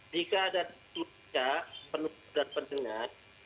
dalam teori pragmatik itu jika ada penutup dan pendengar